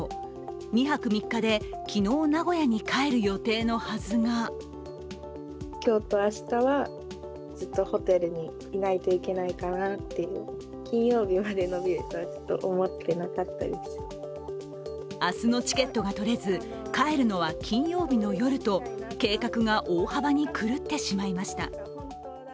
２泊３日で、昨日名古屋に帰る予定のはずが明日のチケットが取れず帰るのは金曜日の夜と計画が大幅に狂ってしまいました。